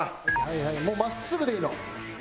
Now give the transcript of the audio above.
もう真っすぐでいいの。